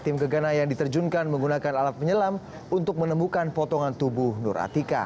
tim gegana yang diterjunkan menggunakan alat penyelam untuk menemukan potongan tubuh nur atika